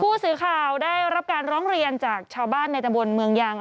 ผู้สื่อข่าวได้รับการร้องเรียนจากชาวบ้านในตะบนเมืองยาง